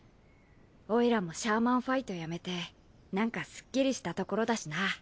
オイラもシャーマンファイトやめてなんかすっきりしたところだしな。